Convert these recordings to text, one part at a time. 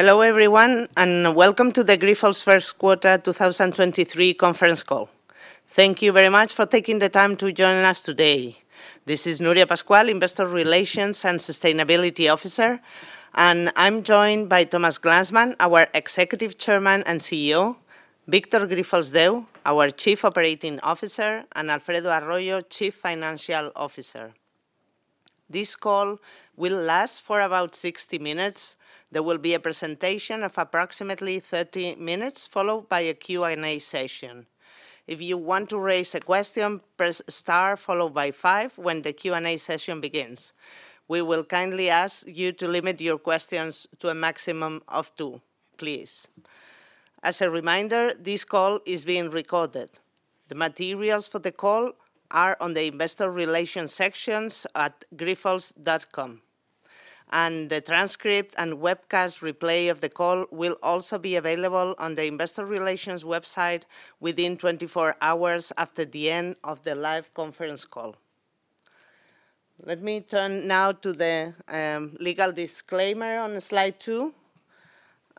Hello everyone, and welcome to the Grifols first quarter 2023 conference call. Thank you very much for taking the time to join us today. This is Núria Pascual, Investor Relations and Sustainability Officer, and I'm joined by Thomas Glanzmann, our Executive Chairman and CEO, Victor Grifols Deu, our Chief Operating Officer, and Alfredo Arroyo, Chief Financial Officer. This call will last for about 60 minutes. There will be a presentation of approximately 30 minutes, followed by a Q&A session. If you want to raise a question, press star followed by 5 when the Q&A session begins. We will kindly ask you to limit your questions to a maximum of two, please. As a reminder, this call is being recorded. The materials for the call are on the Investor Relations sections at grifols.com. The transcript and webcast replay of the call will also be available on the investor relations website within 24 hours after the end of the live conference call. Let me turn now to the legal disclaimer on slide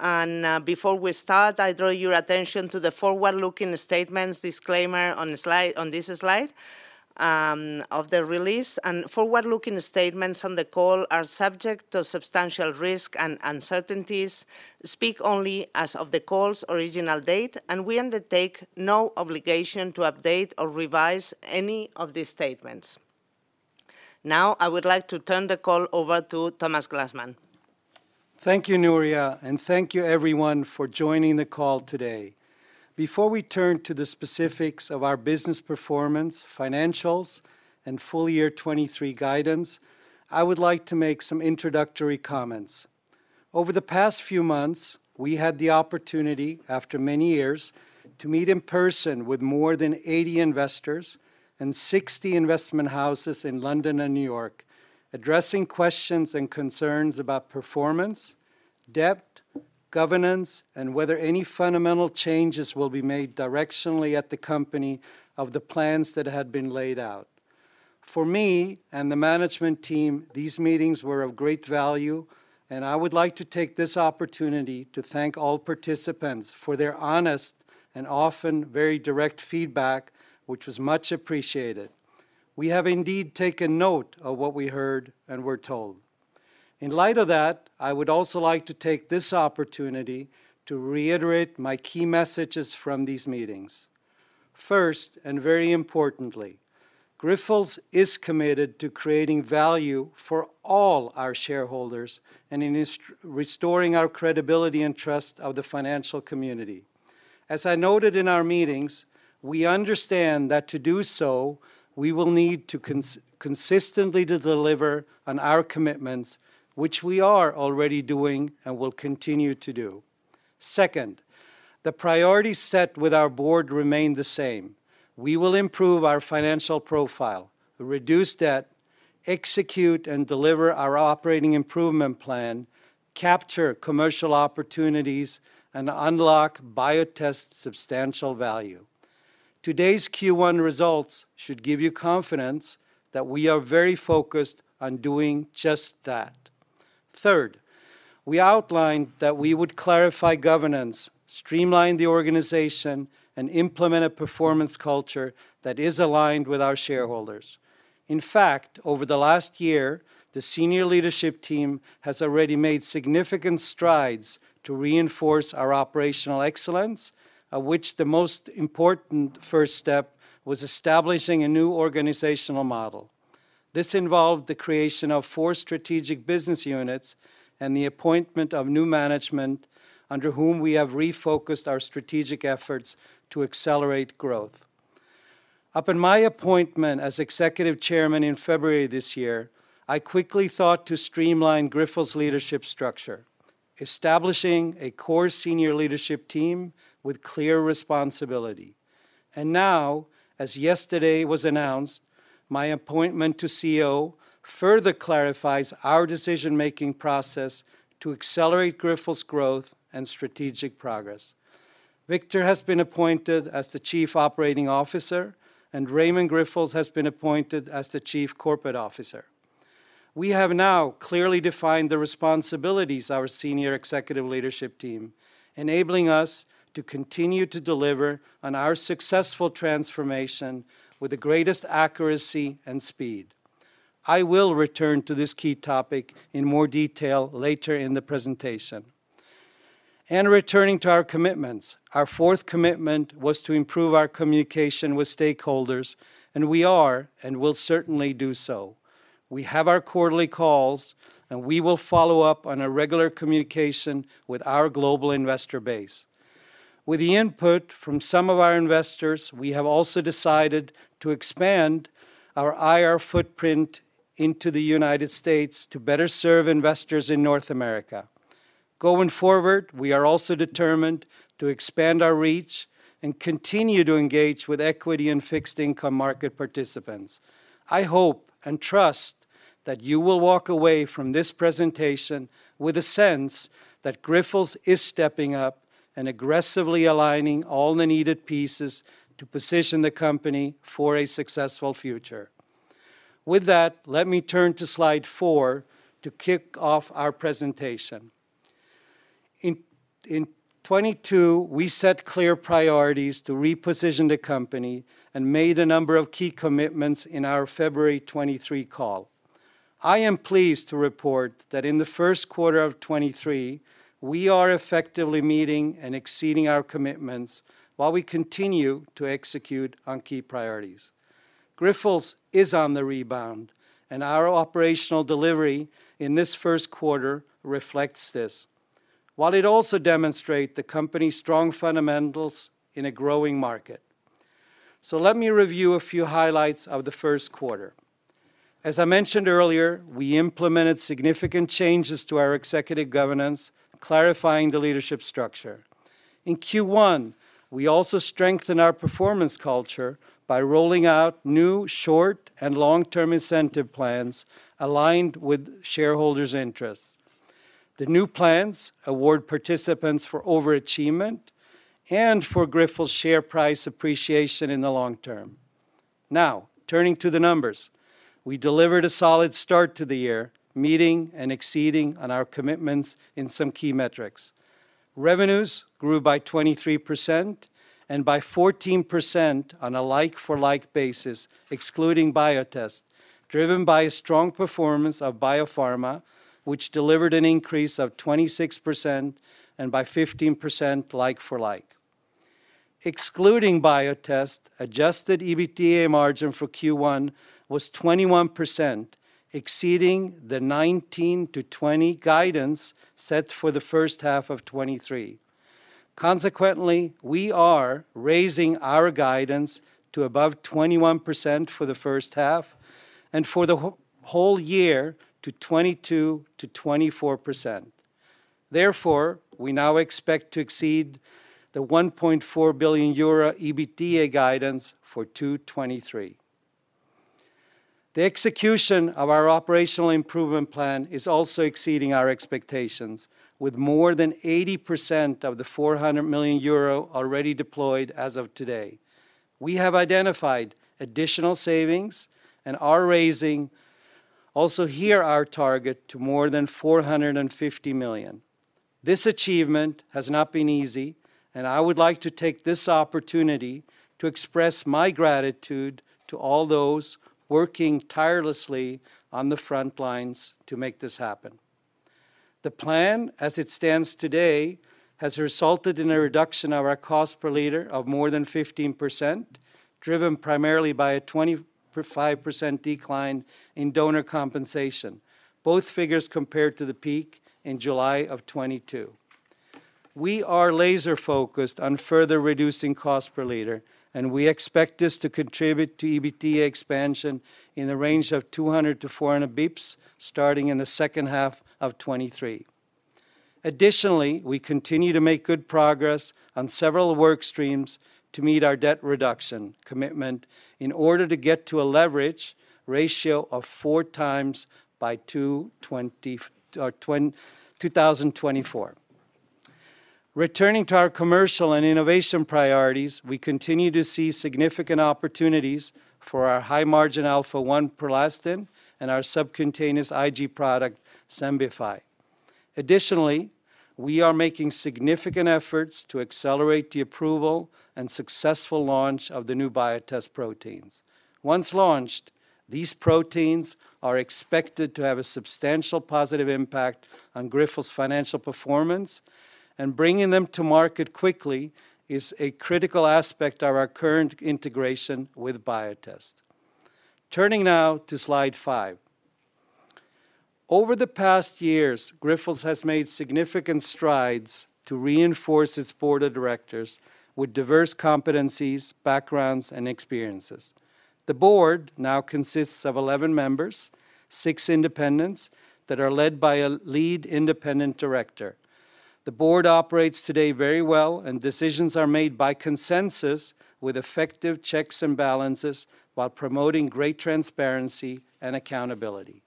2. Before we start, I draw your attention to the forward-looking statements disclaimer on this slide of the release. Forward-looking statements on the call are subject to substantial risk and uncertainties, speak only as of the call's original date, and we undertake no obligation to update or revise any of these statements. Now, I would like to turn the call over to Thomas Glanzmann. Thank you, Núria, and thank you everyone for joining the call today. Before we turn to the specifics of our business performance, financials, and full year 2023 guidance, I would like to make some introductory comments. Over the past few months, we had the opportunity, after many years, to meet in person with more than 80 investors and 60 investment houses in London and New York, addressing questions and concerns about performance, debt, governance, and whether any fundamental changes will be made directionally at the company of the plans that had been laid out. For me and the management team, these meetings were of great value, and I would like to take this opportunity to thank all participants for their honest and often very direct feedback, which was much appreciated. We have indeed taken note of what we heard and were told. In light of that, I would also like to take this opportunity to reiterate my key messages from these meetings. First, and very importantly, Grifols is committed to creating value for all our shareholders and restoring our credibility and trust of the financial community. As I noted in our meetings, we understand that to do so, we will need to consistently deliver on our commitments, which we are already doing and will continue to do. Second, the priorities set with our board remain the same. We will improve our financial profile, reduce debt, execute and deliver our operating improvement plan, capture commercial opportunities, and unlock Biotest's substantial value. Today's Q1 results should give you confidence that we are very focused on doing just that. Third, we outlined that we would clarify governance, streamline the organization, and implement a performance culture that is aligned with our shareholders. In fact, over the last year, the senior leadership team has already made significant strides to reinforce our operational excellence, which the most important first step was establishing a new organizational model. This involved the creation of four strategic business units and the appointment of new management under whom we have refocused our strategic efforts to accelerate growth. Upon my appointment as Executive Chairman in February this year, I quickly thought to streamline Grifols' leadership structure, establishing a core senior leadership team with clear responsibility. Now, as yesterday was announced, my appointment to CEO further clarifies our decision-making process to accelerate Grifols' growth and strategic progress. Victor has been appointed as the Chief Operating Officer. Raimon Grifols has been appointed as the Chief Corporate Officer. We have now clearly defined the responsibilities of our senior executive leadership team, enabling us to continue to deliver on our successful transformation with the greatest accuracy and speed. I will return to this key topic in more detail later in the presentation. Returning to our commitments, our fourth commitment was to improve our communication with stakeholders, and we are and will certainly do so. We have our quarterly calls, and we will follow up with regular communication with our global investor base. With the input from some of our investors, we have also decided to expand our IR footprint into the United States to better serve investors in North America. Going forward, we are also determined to expand our reach and continue to engage with equity and fixed income market participants. I hope and trust that you will walk away from this presentation with a sense that Grifols is stepping up and aggressively aligning all the needed pieces to position the company for a successful future. Let me turn to slide 4 to kick off our presentation. In 2022, we set clear priorities to reposition the company and made a number of key commitments in our February 2023 call. I am pleased to report that in the first quarter of 2023, we are effectively meeting and exceeding our commitments while we continue to execute on key priorities. Grifols is on the rebound, and our operational delivery in this first quarter reflects this, while it also demonstrate the company's strong fundamentals in a growing market. Let me review a few highlights of the first quarter. As I mentioned earlier, we implemented significant changes to our executive governance, clarifying the leadership structure. In Q1, we also strengthened our performance culture by rolling out new short and long-term incentive plans aligned with shareholders' interests. The new plans award participants for overachievement and for Grifols' share price appreciation in the long term. Turning to the numbers. We delivered a solid start to the year, meeting and exceeding on our commitments in some key metrics. Revenues grew by 23% and by 14% on a like-for-like basis, excluding Biotest, driven by a strong performance of Biopharma, which delivered an increase of 26% and by 15% like for like. Excluding Biotest, adjusted EBITDA margin for Q1 was 21%, exceeding the 19%-20% guidance set for the first half of 2023. Consequently, we are raising our guidance to above 21% for the first half and for the whole year to 22%-24%. Therefore, we now expect to exceed the 1.4 billion euro EBITDA guidance for 2023. The execution of our operational improvement plan is also exceeding our expectations, with more than 80% of the 400 million euro already deployed as of today. We have identified additional savings and are raising also here our target to more than 450 million. This achievement has not been easy, and I would like to take this opportunity to express my gratitude to all those working tirelessly on the front lines to make this happen. The plan, as it stands today, has resulted in a reduction of our cost per liter of more than 15%, driven primarily by a 25% decline in donor compensation, both figures compared to the peak in July of 2022. We are laser-focused on further reducing cost per liter, and we expect this to contribute to EBITDA expansion in the range of 200 to 400 basis points starting in the second half of 2023. Additionally, we continue to make good progress on several work streams to meet our debt reduction commitment in order to get to a leverage ratio of four times by 2024. Returning to our commercial and innovation priorities, we continue to see significant opportunities for our high-margin Alpha-1 PROLASTIN and our subcutaneous IG product, Xembify. Additionally, we are making significant efforts to accelerate the approval and successful launch of the new Biotest proteins. Once launched, these proteins are expected to have a substantial positive impact on Grifols' financial performance, and bringing them to market quickly is a critical aspect of our current integration with Biotest. Turning now to slide 5. Over the past years, Grifols has made significant strides to reinforce its Board of Directors with diverse competencies, backgrounds, and experiences. The Board now consists of 11 members, six independents that are led by a lead independent director. The Board operates today very well, and decisions are made by consensus with effective checks and balances while promoting great transparency and accountability.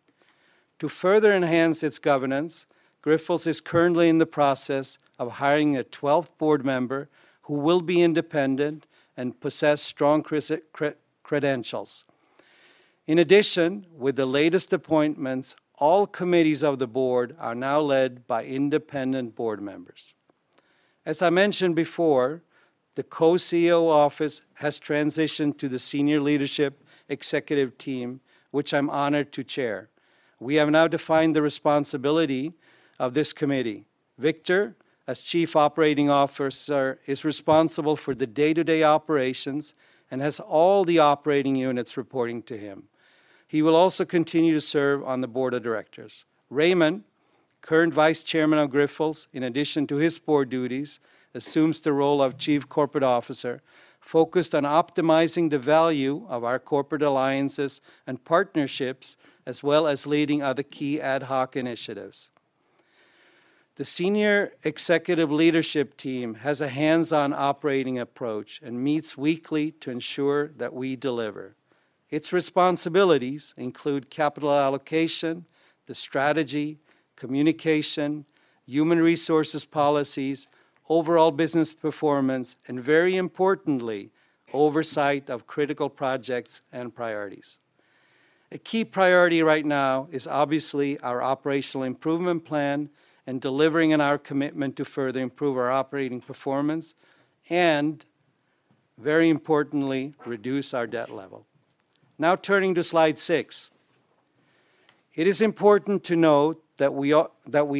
To further enhance its governance, Grifols is currently in the process of hiring a 12th board member who will be independent and possess strong credentials. With the latest appointments, all committees of the board are now led by independent board members. As I mentioned before, the co-CEO office has transitioned to the senior leadership executive team, which I'm honored to chair. We have now defined the responsibility of this committee. Victor, as Chief Operating Officer, is responsible for the day-to-day operations and has all the operating units reporting to him. He will also continue to serve on the board of directors. Raimon, current Vice Chairman of Grifols, in addition to his board duties, assumes the role of Chief Corporate Officer, focused on optimizing the value of our corporate alliances and partnerships as well as leading other key ad hoc initiatives. The senior executive leadership team has a hands-on operating approach and meets weekly to ensure that we deliver. Its responsibilities include capital allocation, the strategy, communication-Human Resources policies, overall business performance, and very importantly, oversight of critical projects and priorities. A key priority right now is obviously our operational improvement plan and delivering in our commitment to further improve our operating performance and, very importantly, reduce our debt level. Turning to slide 6. It is important to note that we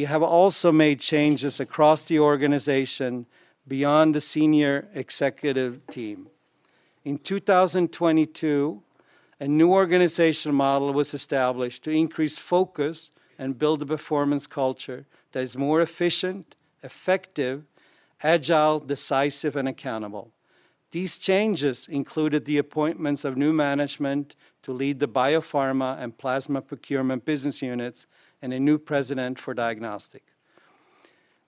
have also made changes across the organization beyond the senior executive team. In 2022, a new organizational model was established to increase focus and build a performance culture that is more efficient, effective, agile, decisive, and accountable. These changes included the appointments of new management to lead the Biopharma and plasma procurement business units and a new president for Diagnostics.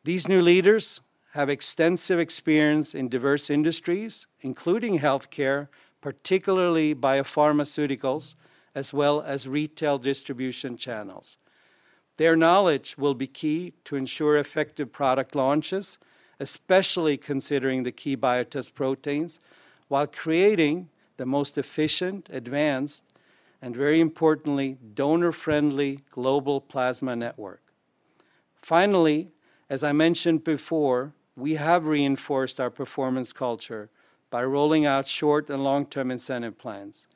These new leaders have extensive experience in diverse industries, including healthcare, particularly biopharmaceuticals, as well as retail distribution channels. Their knowledge will be key to ensure effective product launches, especially considering the key Biotest proteins, while creating the most efficient, advanced, and very importantly, donor-friendly global plasma network. Finally, as I mentioned before, we have reinforced our performance culture by rolling out short and long-term incentive plans.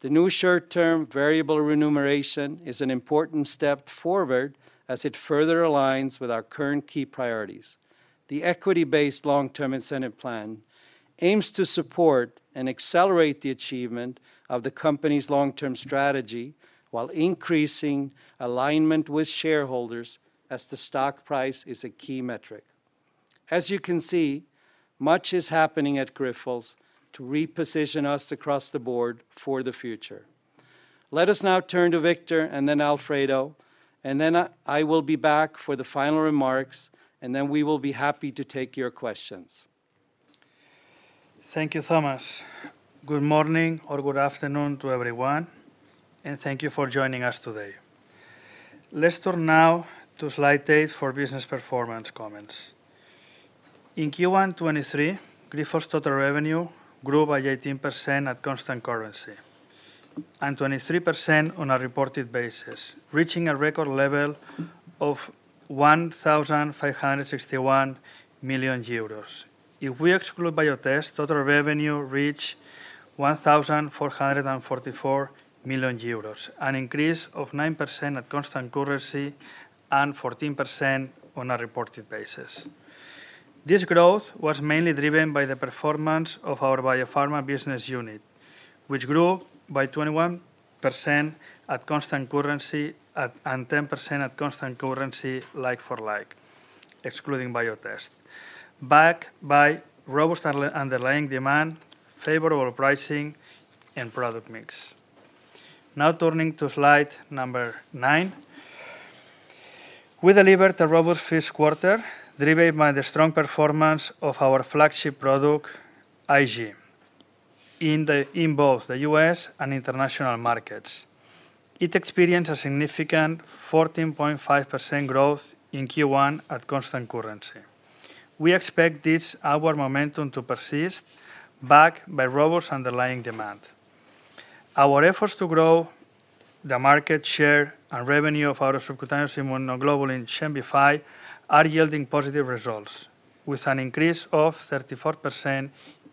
The new short-term variable remuneration is an important step forward as it further aligns with our current key priorities. The equity-based long-term incentive plan aims to support and accelerate the achievement of the company's long-term strategy while increasing alignment with shareholders, as the stock price is a key metric. As you can see, much is happening at Grifols to reposition us across the board for the future. Let us now turn to Victor and then Alfredo, and then I will be back for the final remarks, and then we will be happy to take your questions. Thank you, Thomas. Good morning or good afternoon to everyone, thank you for joining us today. Let's turn now to slide 8 for business performance comments. In Q1 2023, Grifols' total revenue grew by 18% at constant currency and 23% on a reported basis, reaching a record level of 1,561 million euros. If we exclude Biotest, total revenue reached 1,444 million euros, an increase of 9% at constant currency and 14% on a reported basis. This growth was mainly driven by the performance of our Biopharma business unit, which grew by 21% at constant currency and 10% at constant currency like-for-like, excluding Biotest, backed by robust underlying demand, favorable pricing, and product mix. Now turning to slide number 9. We delivered a robust first quarter, driven by the strong performance of our flagship product, IG, in both the U.S. and international markets. It experienced a significant 14.5% growth in Q1 at constant currency. We expect this upward momentum to persist, backed by robust underlying demand. Our efforts to grow the market share and revenue of our subcutaneous immunoglobulin Xembify are yielding positive results, with an increase of 34%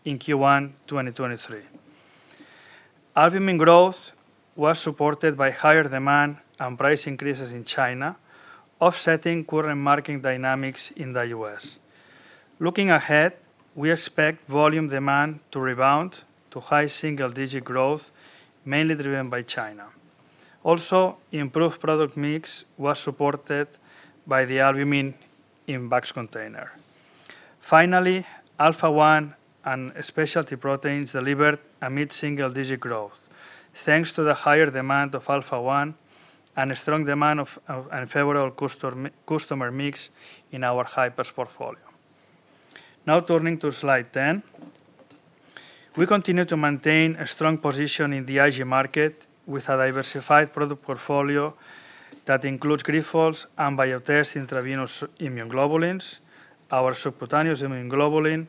in Q1, 2023. Albumin growth was supported by higher demand and price increases in China, offsetting current market dynamics in the U.S. Looking ahead, we expect volume demand to rebound to high single-digit growth, mainly driven by China. Improved product mix was supported by the albumin bag-in-box container. Alpha-1 and specialty proteins delivered a mid-single-digit growth. Thanks to the higher demand of Alpha-1 and a strong demand of... Favorable customer mix in our hypers portfolio. Turning to slide 10. We continue to maintain a strong position in the IG market with a diversified product portfolio that includes Grifols and Biotest immunoglobulins, our subcutaneous immunoglobulin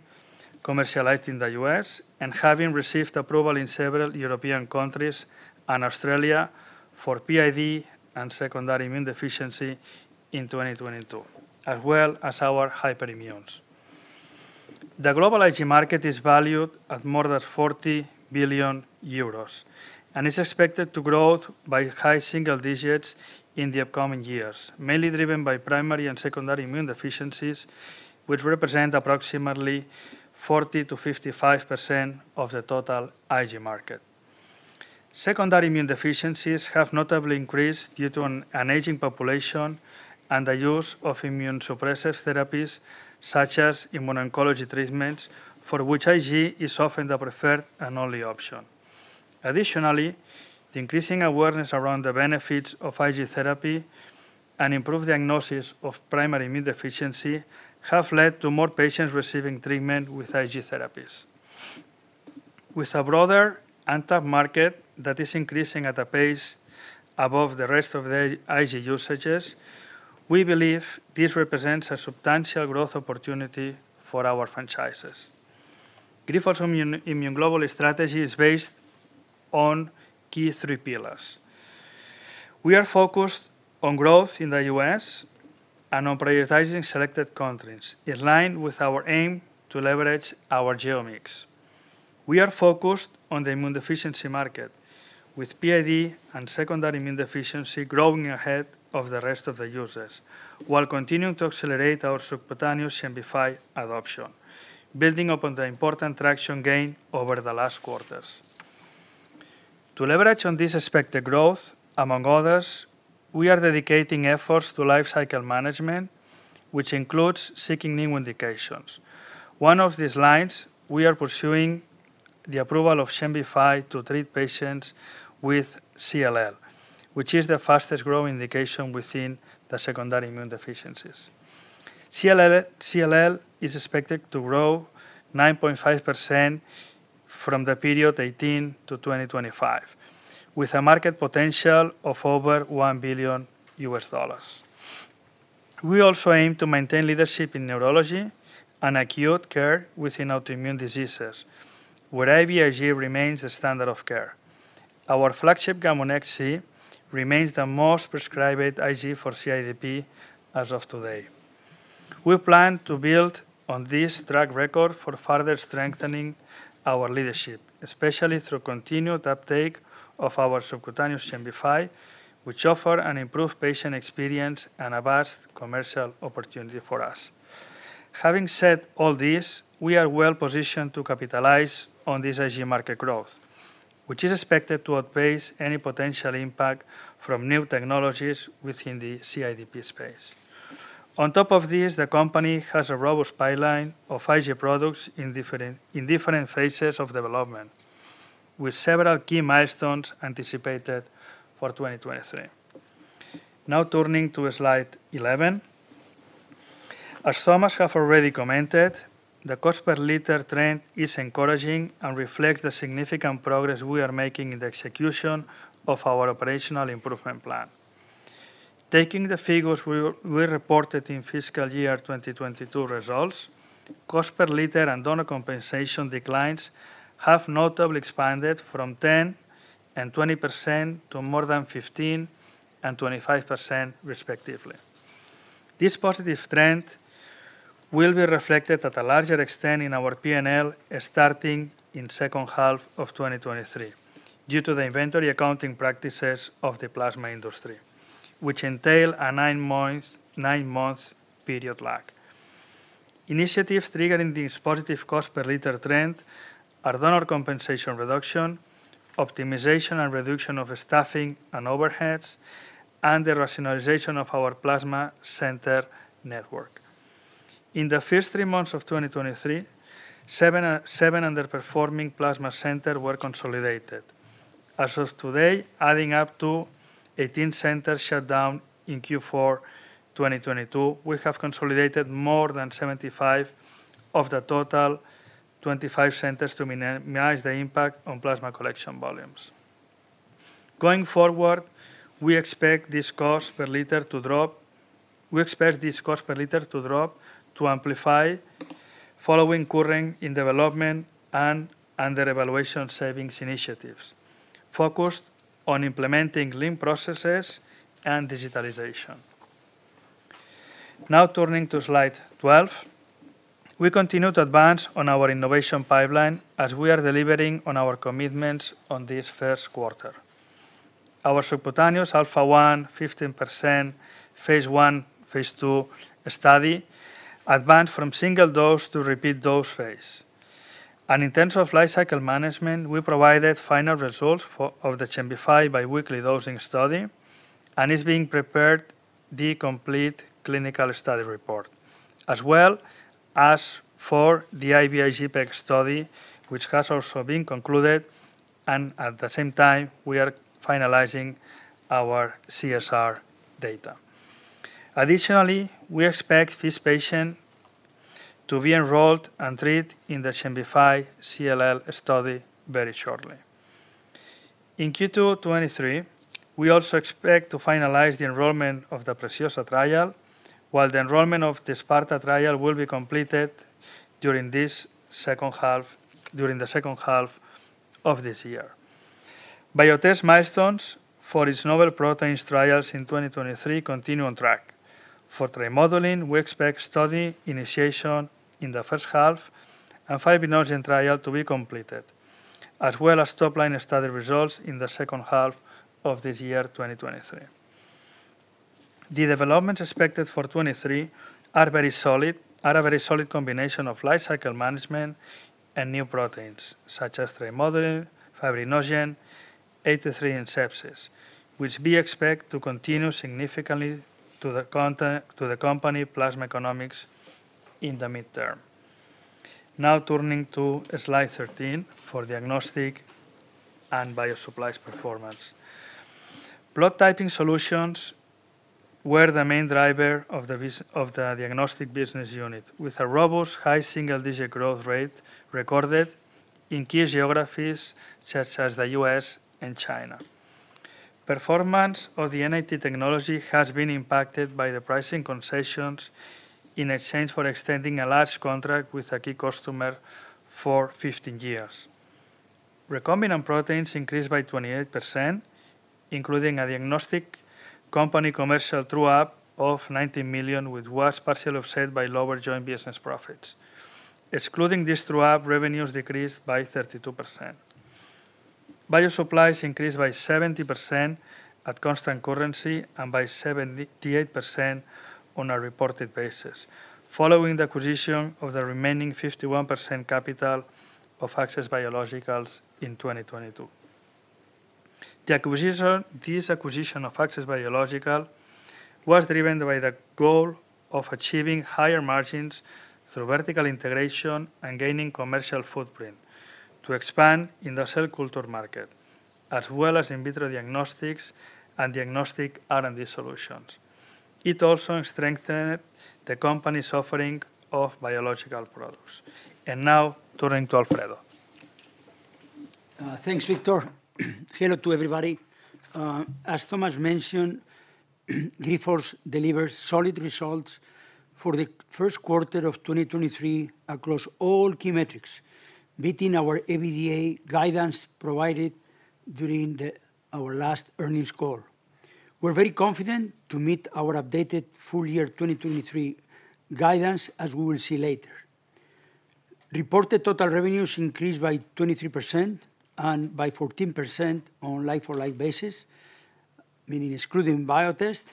commercialized in the U.S. and having received approval in several European countries and Australia for PID and secondary immune deficiency in 2022, as well as our hyperimmunes. The global IG market is valued at more than 40 billion euros and is expected to grow by high single digits in the upcoming years, mainly driven by primary and secondary immune deficiencies, which represent approximately 40%-55% of the total IG market. Secondary immune deficiencies have notably increased due to an aging population and the use of immunosuppressive therapies, such as immuno-oncology treatments, for which IG is often the preferred and only option. Additionally, the increasing awareness around the benefits of IG therapy and improved diagnosis of primary immune deficiency have led to more patients receiving treatment with IG therapies. A broader and TAM market that is increasing at a pace above the rest of the IG usages, we believe this represents a substantial growth opportunity for our franchises. Grifols Immune, Immunoglobulin strategy is based on three key pillars. We are focused on growth in the U.S. and on prioritizing selected countries in line with our aim to leverage our geo mix. We are focused on the immunodeficiency market with PID and secondary immunodeficiency growing ahead of the rest of the users while continuing to accelerate our subcutaneous Xembify adoption, building upon the important traction gained over the last quarters. To leverage on this expected growth, among others, we are dedicating efforts to lifecycle management, which includes seeking new indications. One of these lines, we are pursuing the approval of Xembify to treat patients with CLL, which is the fastest-growing indication within the secondary immunodeficiencies. CLL is expected to grow 9.5% from the period 2018 to 2025, with a market potential of over $1 billion. We also aim to maintain leadership in neurology and acute care within autoimmune diseases, where IVIG remains the standard of care. Our flagship GAMUNEX-C remains the most prescribed IG for CIDP as of today. We plan to build on this track record for further strengthening our leadership, especially through continued uptake of our subcutaneous Xembify, which offers an improved patient experience and a vast commercial opportunity for us. Having said all this, we are well-positioned to capitalize on this IG market growth, which is expected to outpace any potential impact from new technologies within the CIDP space. On top of this, the company has a robust pipeline of IG products in different phases of development, with several key milestones anticipated for 2023. Turning to slide 11. As Thomas have already commented, the cost per liter trend is encouraging and reflects the significant progress we are making in the execution of our operational improvement plan. Taking the figures we reported in fiscal year 2022 results, cost per liter and donor compensation declines have notably expanded from 10% and 20% to more than 15% and 25% respectively. This positive trend will be reflected to a larger extent in our P&L starting in second half of 2023 due to the inventory accounting practices of the plasma industry, which entail a nine-month period lag. Initiatives triggering this positive cost per liter trend are donor compensation reduction, optimization and reduction of staffing and overheads, and the rationalization of our plasma center network. In the first three months of 2023, seven underperforming plasma center were consolidated. As of today, adding up to 18 centers shut down in Q4 2022, we have consolidated more than 75 of the total 25 centers to minimize the impact on plasma collection volumes. Going forward, we expect this cost per liter to drop. We expect this cost per liter to drop to amplify following current in development and under evaluation savings initiatives focused on implementing lean processes and digitalization. Turning to slide 12. We continue to advance on our innovation pipeline as we are delivering on our commitments on this first quarter. Our subcutaneous Alpha-1 15% phase l, phase ll study advanced from single dose to repeat dose phase. In terms of lifecycle management, we provided final results of the Xembify biweekly dosing study and are preparing the complete clinical study report, as well as for the IVIG-PEG study, which has also been concluded. At the same time, we are finalizing our CSR data. Additionally, we expect the first patient to be enrolled and treated in the Xembify CLL study very shortly. In Q2 2023, we also expect to finalize the enrollment of the PRECIOSA trial, while the enrollment of the SPARTA trial will be completed during the second half of this year. Biotest milestones for its novel proteins trials in 2023 continue on track. For trimodulin, we expect study initiation in the first half and fibrinogen trial to be completed, as well as top-line study results in the second half of this year, 2023. The developments expected for 23 are a very solid combination of lifecycle management and new proteins such as trimodulin, fibrinogen, thrombomodulin in sepsis, which we expect to continue significantly to the company plasma economics in the midterm. Turning to slide 13 for Diagnostics and Bio Supplies performance. Blood Typing Solutions were the main driver of the Diagnostics business unit, with a robust high single-digit growth rate recorded in key geographies such as the U.S. and China. Performance of the NAT technology has been impacted by the pricing concessions in exchange for extending a large contract with a key customer for 15 years. Recombinant proteins increased by 28%, including a Diagnostics commercial true-up of 19 million, which was partially offset by lower joint business profits. Excluding this true-up, revenues decreased by 32%. Bio Supplies increased by 70% at constant currency and by 78% on a reported basis following the acquisition of the remaining 51% capital of Access Biologicals in 2022. This acquisition of Access Biologicals was driven by the goal of achieving higher margins through vertical integration and gaining a commercial footprint to expand in the cell culture market, as well as in vitro diagnostics and diagnostic R&D solutions. It also strengthened the company's offering of biological products. Now turning to Alfredo. Thanks, Victor. Hello to everybody. As Thomas mentioned, Grifols delivered solid results for the first quarter of 2023 across all key metrics, beating our EBITDA guidance provided during our last earnings call. We're very confident to meet our updated full year 2023 guidance, as we will see later. Reported total revenues increased by 23% and by 14% on like-for-like basis, meaning excluding Biotest,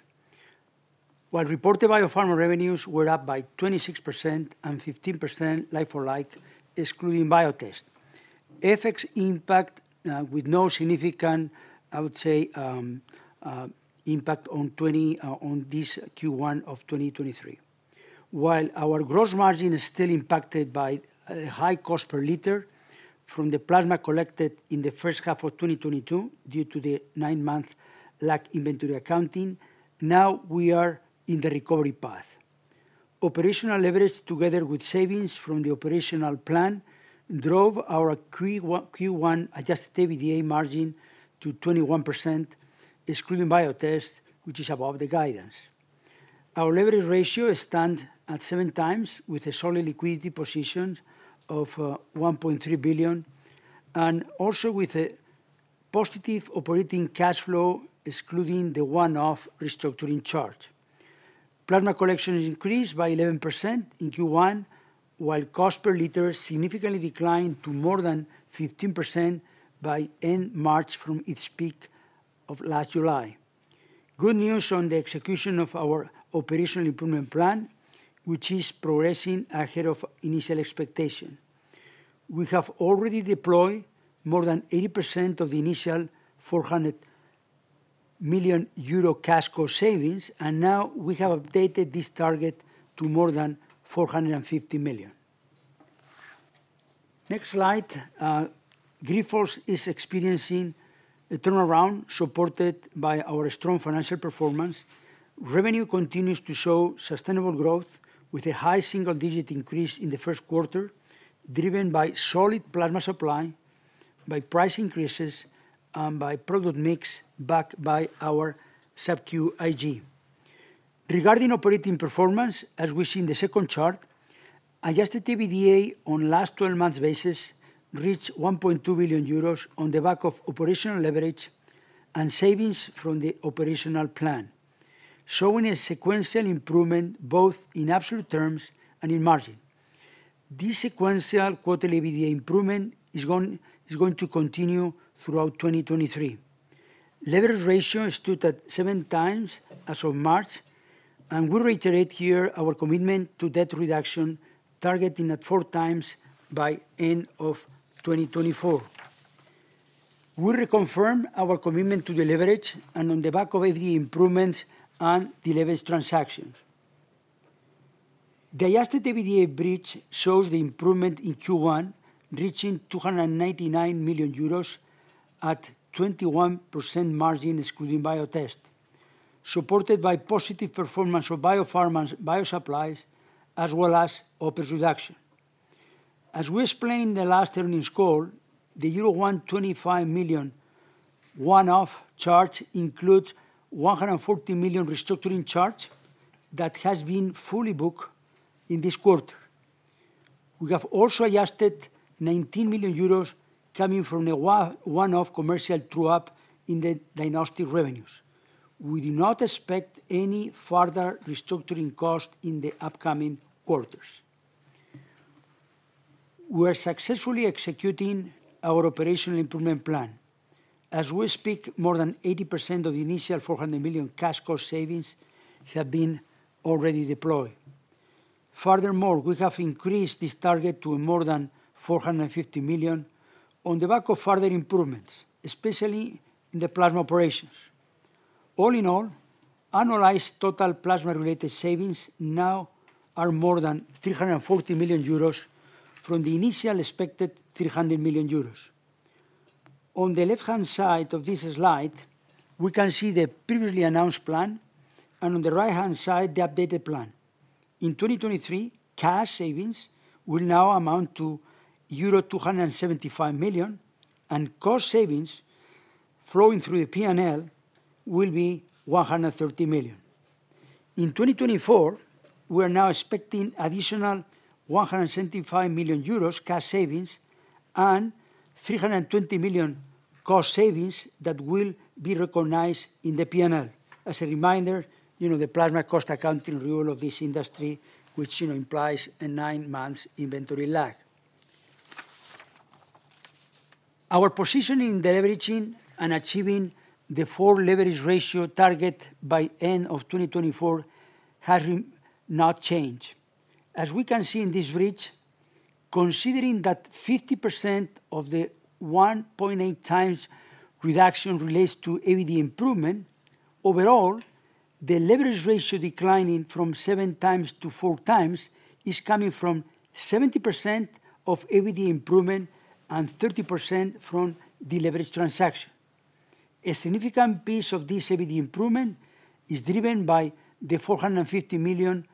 while reported Biopharma revenues were up by 26% and 15% on a like-for-like, excluding Biotest. FX impact, with no significant, I would say, impact on this Q1 of 2023. While our gross margin is still impacted by a high cost per liter from the plasma collected in the first half of 2022 due to the nine-month lag inventory accounting, now we are in the recovery path. Operational leverage, together with savings from the operational plan, drove our Q1 adjusted EBITDA margin to 21% excluding Biotest, which is above the guidance. Our leverage ratio stands at 7 times with a solid liquidity position of 1.3 billion and also with a positive operating cash flow, excluding the one-off restructuring charge. Plasma collection increased by 11% in Q1, while cost per liter significantly declined to more than 15% by end of March from its peak of last July. Good news on the execution of our operational improvement plan, which is progressing ahead of initial expectations. We have already deployed more than 80% of the initial 400 million euro cash cost savings. Now we have updated this target to more than 450 million. Next slide. Grifols is experiencing a turnaround supported by our strong financial performance. Revenue continues to show sustainable growth with a high single-digit increase in the first quarter, driven by solid plasma supply, by price increases, and by product mix backed by our SubQ IG. Regarding operating performance, as we see in the second chart, adjusted EBITDA on last 12-month basis reached 1.2 billion euros on the back of operational leverage and savings from the operational plan, showing a sequential improvement both in absolute terms and in margin. This sequential quarterly EBITDA improvement is going to continue throughout 2023. Leverage ratio stood at 7 times as of March. We reiterate here our commitment to debt reduction, targeting at four times by end of 2024. We reconfirm our commitment to reducing leverage and on the back of EBITDA improvements and the leverage transactions. The adjusted EBITDA bridge shows the improvement in Q1, reaching 299 million euros at 21% margin excluding Biotest, supported by positive performance of Biopharma, Bio Supplies, as well as OpEx reduction. We explained in the last earnings call, the euro 125 million one-off charge includes 140 million restructuring charge that has been fully booked in this quarter. We have also adjusted 19 million euros coming from a one-off Diagnostics commercial true-up in the Diagnostics revenues. We do not expect any further restructuring cost in the upcoming quarters. We are successfully executing our operational improvement plan. As we speak, more than 80% of the initial 400 million cash cost savings have been already deployed. We have increased this target to more than 450 million on the back of further improvements, especially in the plasma operations. All in all, annualized total plasma-related savings now are more than 340 million euros. From the initial expected 300 million euros. On the left-hand side of this slide, we can see the previously announced plan, on the right-hand side, the updated plan. In 2023, cash savings will now amount to euro 275 million, and cost savings flowing through the P&L will be 130 million. In 2024, we're now expecting additional 175 million euros cash savings and 320 million cost savings that will be recognized in the P&L. As a reminder, you know, the plasma cost accounting rule of this industry, which, you know, implies a nine-month inventory lag. Our position in deleveraging and achieving the four leverage ratio target by end of 2024 has not changed. As we can see in this bridge, considering that 50% of the 1.8x reduction relates to EBITDA improvement, overall, the leverage ratio declining from 7x to 4x is coming from 70% of EBITDA improvement and 30% from the leverage transaction. A significant piece of this EBITDA improvement is driven by the 450 million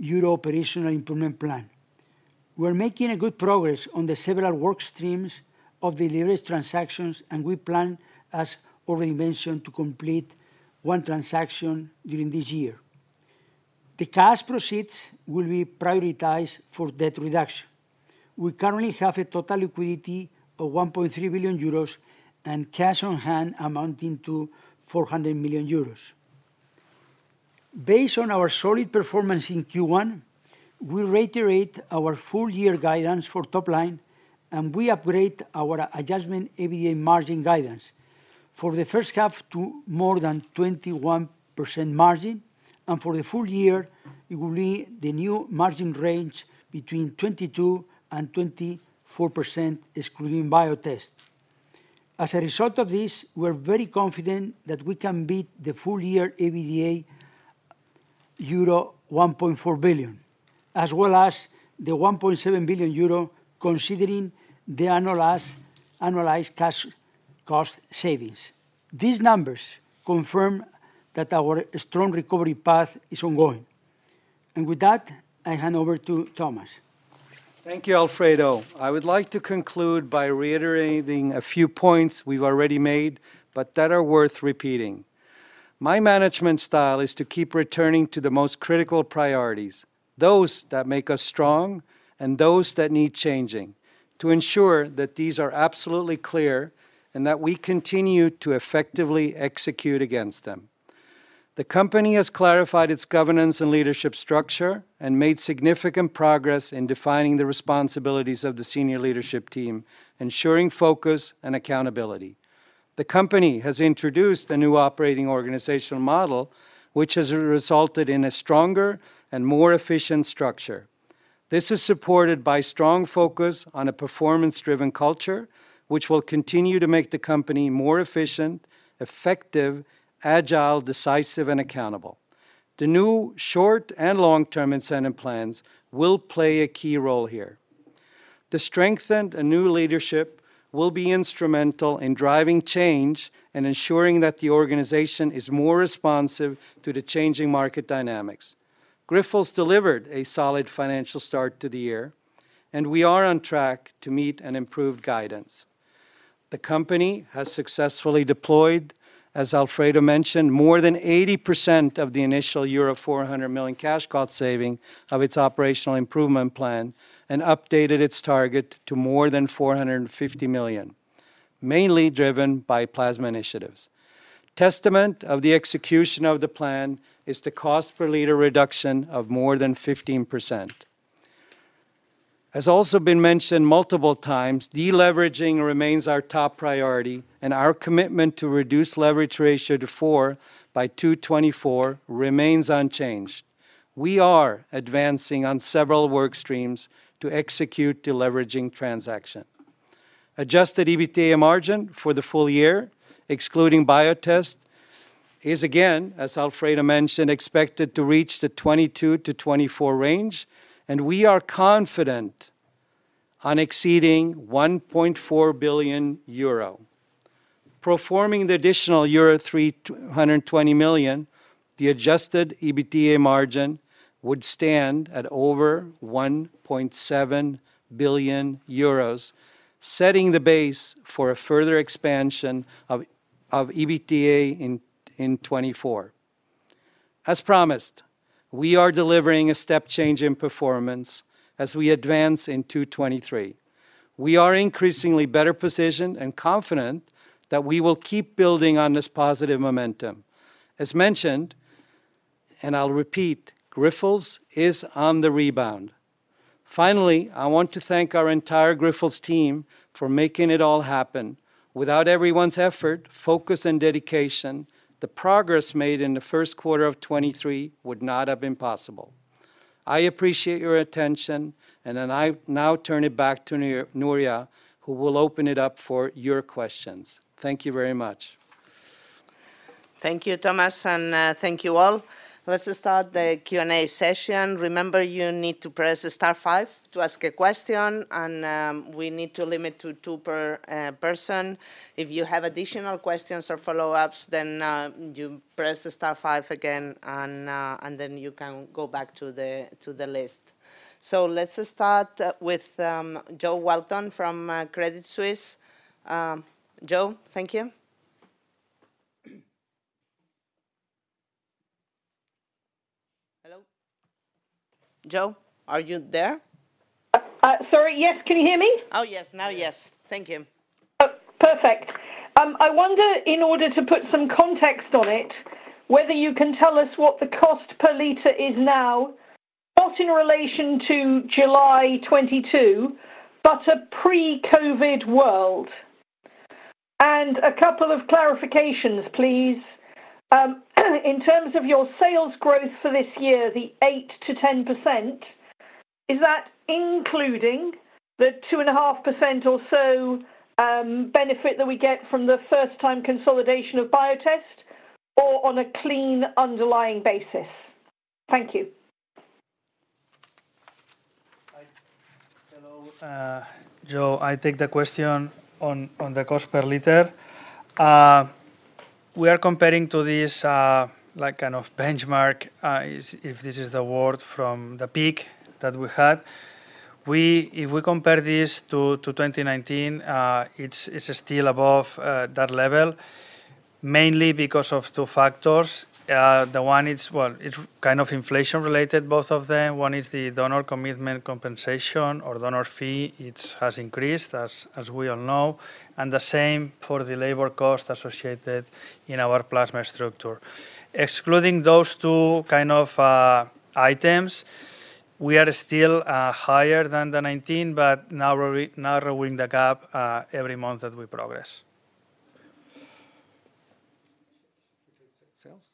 euro operational improvement plan. We're making a good progress on the several workstreams of the leverage transactions, and we plan, as already mentioned, to complete one transaction during this year. The cash proceeds will be prioritized for debt reduction. We currently have a total liquidity of 1.3 billion euros and cash on hand amounting to 400 million euros. Based on our solid performance in Q1, we reiterate our full year guidance for top line. We upgrade our adjustment EBITDA margin guidance for the first half to more than 21% margin, and for the full year, it will be the new margin range between 22% and 24%, excluding Biotest. As a result of this, we're very confident that we can beat the full year EBITDA euro 1.4 billion, as well as the 1.7 billion euro considering the annualized cash cost savings. These numbers confirm that our strong recovery path is ongoing. With that, I hand over to Thomas. Thank you, Alfredo. I would like to conclude by reiterating a few points we've already made, but that are worth repeating. My management style is to keep returning to the most critical priorities, those that make us strong and those that need changing, to ensure that these are absolutely clear and that we continue to effectively execute against them. The company has clarified its governance and leadership structure and made significant progress in defining the responsibilities of the senior leadership team, ensuring focus and accountability. The company has introduced a new operating organizational model, which has resulted in a stronger and more efficient structure. This is supported by strong focus on a performance-driven culture, which will continue to make the company more efficient, effective, agile, decisive, and accountable. The new short- and long-term incentive plans will play a key role here. The strengthened and new leadership will be instrumental in driving change and ensuring that the organization is more responsive to the changing market dynamics. Grifols delivered a solid financial start to the year, and we are on track to meet an improved guidance. The company has successfully deployed, as Alfredo mentioned, more than 80% of the initial euro 400 million cash cost saving of its operational improvement plan and updated its target to more than 450 million, mainly driven by plasma initiatives. Testament of the execution of the plan is the cost per liter reduction of more than 15%. As also been mentioned multiple times, deleveraging remains our top priority, and our commitment to reduce leverage ratio to four by 2024 remains unchanged. We are advancing on several workstreams to execute deleveraging transactions. Adjusted EBITDA margin for the full year, excluding Biotest, is again, as Alfredo mentioned, expected to reach the 22-24% range, and we are confident on exceeding 1.4 billion euro. Performing the additional euro 320 million, the adjusted EBITDA margin would stand at over 1.7 billion euros, setting the base for a further expansion of EBITDA in 2024. As promised, we are delivering a step change in performance as we advance in 2023. We are increasingly better positioned and confident that we will keep building on this positive momentum. As mentioned, and I'll repeat, Grifols is on the rebound. Finally, I want to thank our entire Grifols team for making it all happen. Without everyone's effort, focus, and dedication, the progress made in the first quarter of 2023 would not have been possible. I appreciate your attention, I now turn it back to Nuria, who will open it up for your questions. Thank you very much. Thank you, Thomas, and thank you all. Let's start the Q&A session. Remember, you need to press star five to ask a question, and we need to limit to two per person. If you have additional questions or follow-ups then, you press star five again, and then you can go back to the list. Let's start with Jo Walton from Credit Suisse. Jo, thank you. Hello. Jo, are you there? Sorry, yes. Can you hear me? Yes. Now yes. Thank you. Oh, perfect. I wonder, in order to put some context on it, whether you can tell us what the cost per liter is now, not in relation to July 2022, but a pre-COVID world. A couple of clarifications please. In terms of your sales growth for this year, the 8%-10%, is that including the 2.5% or so, benefit that we get from the first time consolidation of Biotest or on a clean underlying basis? Thank you. Hi. Hello, Jo. I take the question on the cost per liter. We are comparing to this like kind of benchmark, if this is the word from the peak that we had. If we compare this to 2019, it's still above that level mainly because of two factors. The one is, well, it's kind of inflation related, both of them. One is the donor commitment compensation or donor fee. It's has increased as we all know, the same for the labor cost associated in our plasma structure. Excluding those two kind of items, we are still higher than the 2019 but narrowing the gap every month that we progress. Sales?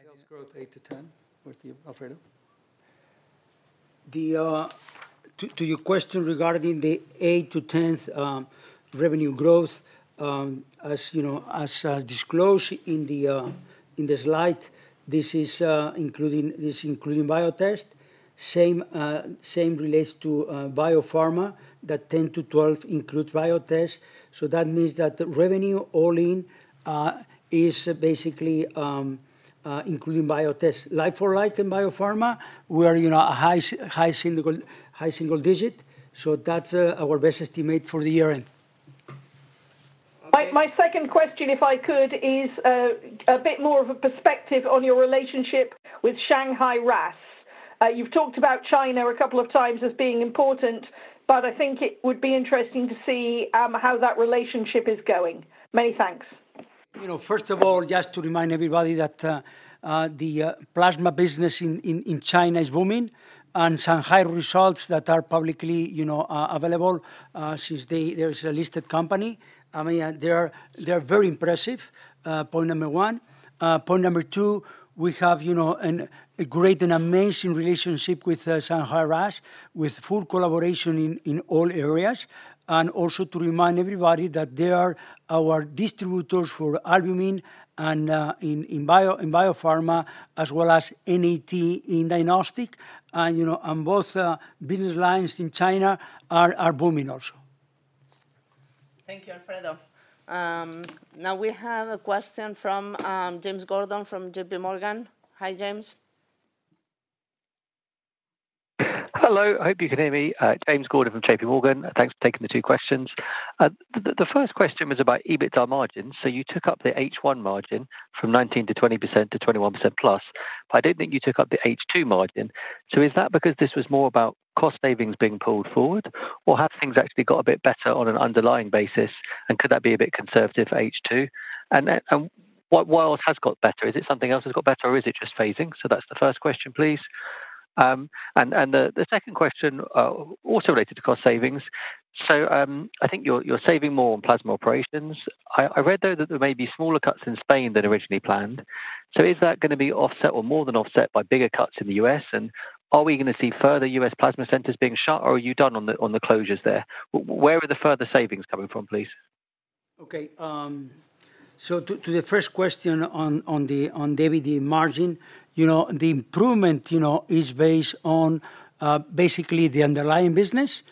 Sales growth 8% to 10% with you, Alfredo. To your question regarding the 8% to 10% revenue growth, as you know, as disclosed in the slide, this is including Biotest. Same relates to Biopharma, that 10% to 12% includes Biotest. That means that revenue all in is basically including Biotest. Like-for-like and Biopharma, we are, you know, a high single-digit, that's our best estimate for the year-end. My second question, if I could, is a bit more of a perspective on your relationship with Shanghai RAAS. You've talked about China a couple of times as being important, but I think it would be interesting to see how that relationship is going. Many thanks. You know, first of all, just to remind everybody that the plasma business in China is booming, and Shanghai RAAS results that are publicly, you know, available, since they are a listed company. I mean, they are very impressive, point number one. Point number two, we have, you know, a great and amazing relationship with Shanghai RAAS with full collaboration in all areas. Also to remind everybody that they are our distributors for albumin in Biopharma as well as NAT in Diagnostics. You know, both business lines in China are booming also. Thank you, Alfredo. Now we have a question from James Gordon from JPMorgan. Hi, James. Hello, hope you can hear me. James Gordon from JPMorgan. Thanks for taking the two questions. The first question was about EBITDA margins. You took up the H1 margin from 19%-20% to 21%+, but I don't think you took up the H2 margin. Is that because this was more about cost savings being pulled forward, or have things actually got a bit better on an underlying basis? Could that be a bit conservative H2? While it has got better, is it something else that's got better, or is it just phasing? That's the first question, please. The second question also related to cost savings. I think you're saving more on plasma operations. I read though that there may be smaller cuts in Spain than originally planned. Is that going to be offset or more than offset by bigger cuts in the U.S., are we going to see further U.S. plasma centers being shut, or are you done on the closures there? Where are the further savings coming from, please? Okay. So to the first question on the EBITDA margin, you know, the improvement, you know, is based on basically the underlying business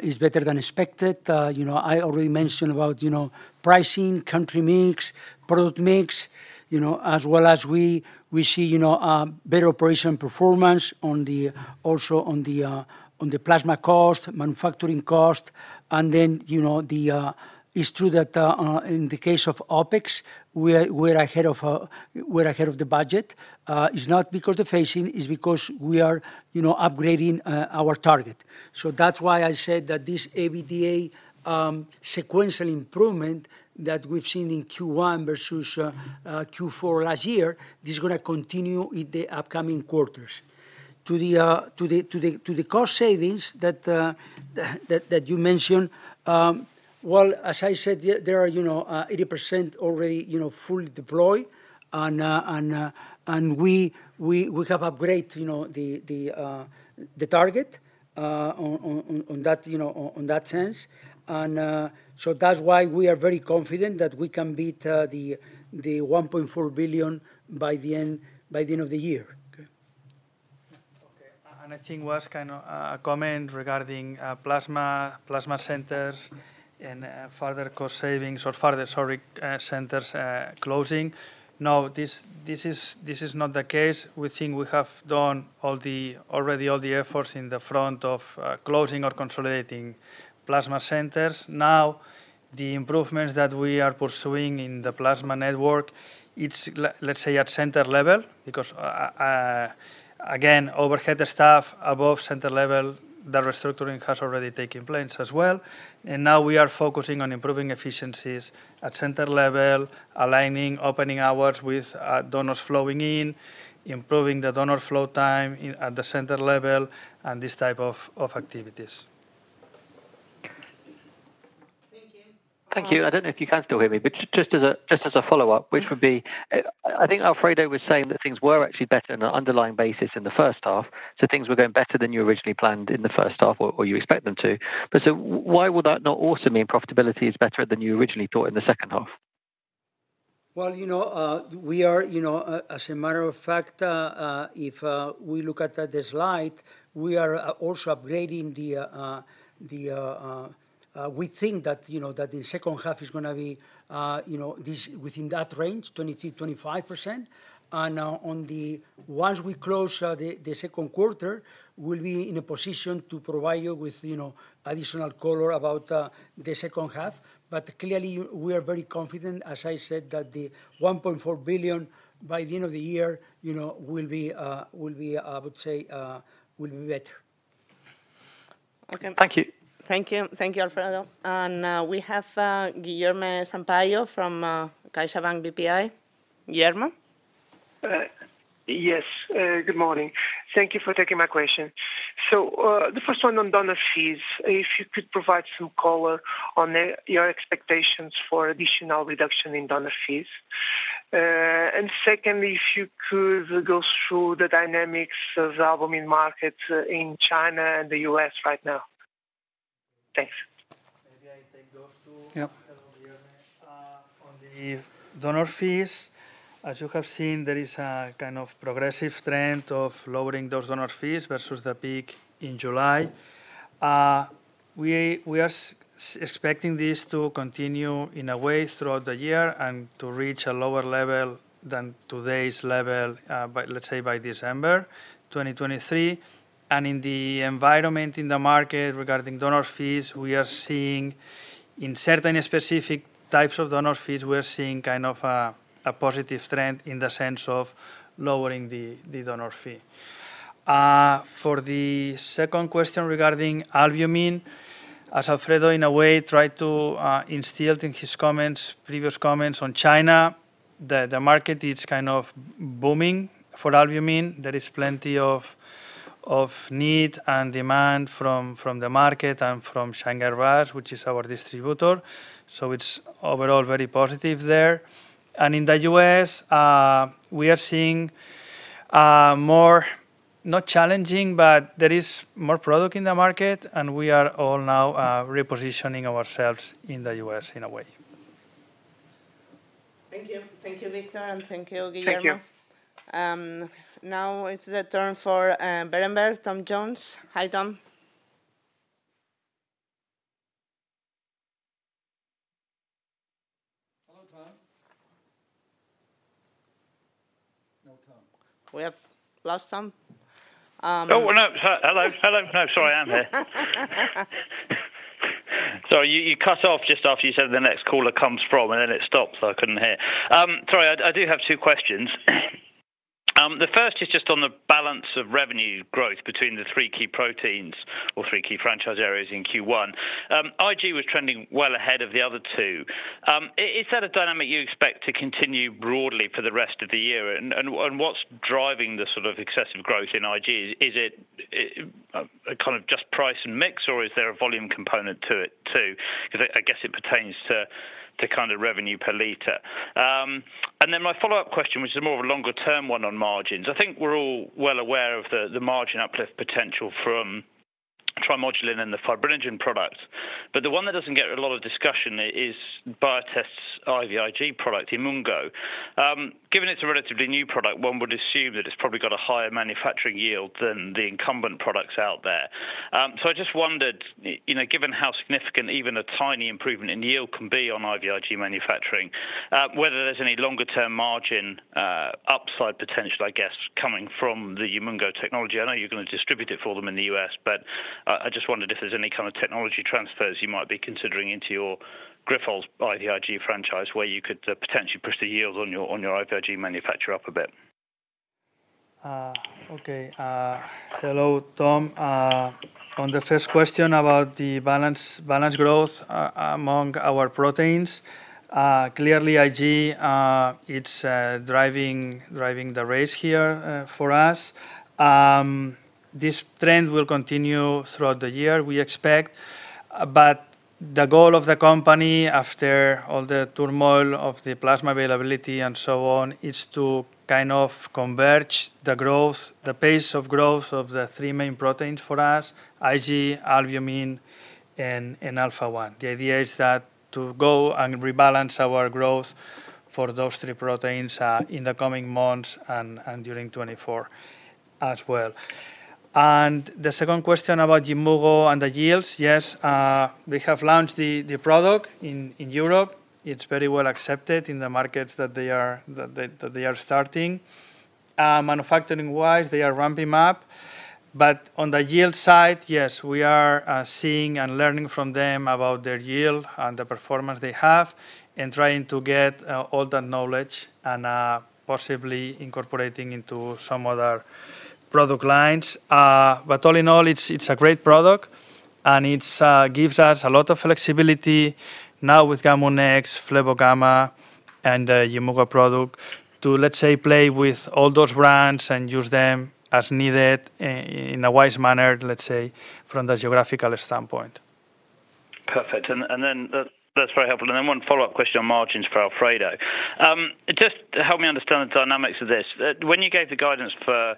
is better than expected. You know, I already mentioned about, you know, pricing, country mix, product mix, you know, as well as we see, you know, better operation performance also on the plasma cost, manufacturing cost. Then, you know, it's true that in the case of OpEx, we are, we're ahead of the budget. It's not because the phasing, it's because we are, you know, upgrading our target. That's why I said that this EBITDA sequential improvement that we've seen in Q1 versus Q4 last year, this is going to continue in the upcoming quarters. To the cost savings that you mentioned, well, as I said, there are, you know, 80% already, you know, fully deployed and we have upgrade, you know, the target. On that, you know, on that sense. So that's why we are very confident that we can beat the 1.4 billion by the end, by the end of the year. Okay. I think was kind of a comment regarding plasma centers and further sorry, centers closing. Now, this is not the case. We think we have done already all the efforts in the front of closing or consolidating plasma centers. Now, the improvements that we are pursuing in the plasma network, it's let's say at center level, because again, overhead staff above center level, the restructuring has already taken place as well. Now we are focusing on improving efficiencies at center level, aligning opening hours with donors flowing in, improving the donor flow time at the center level, and this type of activities. Thank you. Thank you. I don't know if you can still hear me, but just as a follow-up, which would be, I think Alfredo was saying that things were actually better on an underlying basis in the first half, so things were going better than you originally planned in the first half or you expect them to. Why would that not also mean profitability is better than you originally thought in the second half? Well, you know, we are, you know, as a matter of fact, if we look at the slide, we are also upgrading the, we think that, you know, that the second half is going to be, you know, this within that range, 23%-25%. Once we close, the second quarter, we'll be in a position to provide you with, you know, additional color about the second half. Clearly, we are very confident, as I said, that the 1.4 billion by the end of the year, you know, will be, will be, I would say, will be better. Okay. Thank you. Thank you. Thank you, Alfredo. We have Guilherme Sampaio from CaixaBank BPI. Guilherme? Yes. Good morning. Thank you for taking my question. The first one on donor fees. If you could provide some color on your expectations for additional reduction in donor fees. And secondly, if you could go through the dynamics of the albumin market in China and the U.S. right now. Thanks. Maybe I take those two. Yeah. Hello, Guilherme. On the donor fees, as you have seen, there is a kind of progressive trend of lowering those donor fees versus the peak in July. We are expecting this to continue in a way throughout the year and to reach a lower level than today's level, by, let's say by December 2023. In the environment in the market regarding donor fees, we are seeing in certain specific types of donor fees, we are seeing kind of a positive trend in the sense of lowering the donor fee. For the second question regarding albumin, as Alfredo in a way tried to instill in his comments, previous comments on China, the market is kind of booming for albumin. There is plenty of need and demand from the market and from Shanghai RAAS, which is our distributor. It's overall very positive there. In the U.S., we are seeing more not challenging, but there is more product in the market, and we are all now repositioning ourselves in the U.S. in a way. Thank you. Thank you, Victor, and thank you, Guilherme. Thank you. Now it's the turn for Berenberg, Tom Jones. Hi, Tom. Hello, Tom. No Tom. We have lost Tom. Oh, no. Hello. Sorry, I am here. Sorry, you cut off just after you said, "The next caller comes from," and then it stopped, so I couldn't hear. Sorry, I do have two questions. The first is just on the balance of revenue growth between the three key proteins or three key franchise areas in Q1. IG was trending well ahead of the other two. Is that a dynamic you expect to continue broadly for the rest of the year? What's driving the sort of excessive growth in IG? Is it kind of just price and mix, or is there a volume component to it, too? 'Cause I guess it pertains to kind of revenue per liter. My follow-up question, which is more of a longer-term one on margins. I think we're all well aware of the margin uplift potential from trimodulin and the fibrinogen products. The one that doesn't get a lot of discussion is Biotest's IVIG product, Intratect. Given it's a relatively new product, one would assume that it's probably got a higher manufacturing yield than the incumbent products out there. I just wondered, you know, given how significant even a tiny improvement in yield can be on IVIG manufacturing, whether there's any longer term margin upside potential, I guess, coming from the Intratect technology. I know you're going to distribute it for them in the U.S., but I just wondered if there's any kind of technology transfers you might be considering into your Grifols IVIG franchise, where you could potentially push the yields on your IVIG manufacture up a bit. Okay. Hello, Tom. On the first question about the balance growth among our proteins, clearly IG, it's driving the race here for us. This trend will continue throughout the year, we expect. The goal of the company after all the turmoil of the plasma availability and so on, is to kind of converge the growth, the pace of growth of the three main proteins for us IG, albumin and Alpha-1. The idea is that to go and rebalance our growth for those three proteins in the coming months and during 2024 as well. The second question about Yimmugo and the yields. Yes, we have launched the product in Europe. It's very well accepted in the markets that they are starting. Manufacturing-wise, they are ramping up. On the yield side, yes, we are seeing and learning from them about their yield and the performance they have, and trying to get all that knowledge and possibly incorporating into some other product lines. All in all, it's a great product, and it's gives us a lot of flexibility now with GAMUNEX-C, Flebogamma DIF and the Yimmugo product to, let's say, play with all those brands and use them as needed in a wise manner, let's say, from the geographical standpoint. Perfect. That's very helpful. One follow-up question on margins for Alfredo. Just help me understand the dynamics of this. When you gave the guidance for